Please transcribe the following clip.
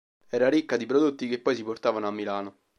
Era ricca di prodotti che poi si portavano a Milano.